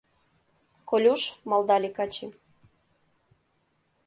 — Колюш, — малдале каче.